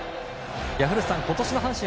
古田さん、今年の阪神